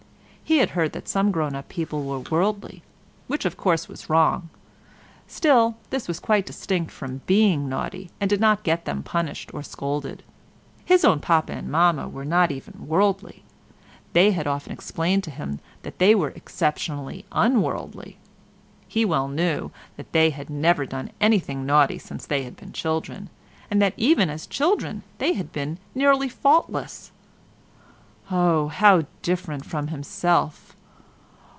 He had heard that some grown up people were worldly, which of course was wrong, still this was quite distinct from being naughty, and did not get them punished or scolded. His own Papa and Mamma were not even worldly; they had often explained to him that they were exceptionally unworldly; he well knew that they had never done anything naughty since they had been children, and that even as children they had been nearly faultless. Oh! how different from himself!